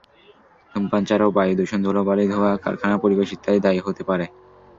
ধূমপান ছাড়াও বায়ুদূষণ, ধুলোবালি, ধোঁয়া, কারখানার পরিবেশ ইত্যাদি দায়ী হতে পারে।